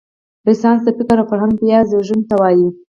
رنسانس د فکر او فرهنګ بیا زېږون ته وايي.